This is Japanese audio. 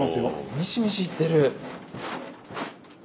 ミシミシいってる。